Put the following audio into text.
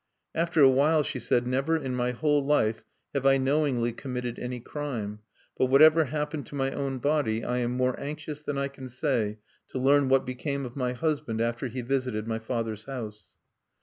After a while she said: "Never in my whole life have I knowingly committed any crime.... But whatever happens to my own body, I am more anxious than I can say to learn what became of my husband after he visited my father's house."